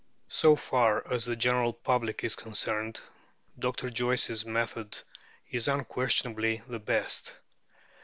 So far as the general public is concerned, Dr. Joyce's method is unquestionably the best.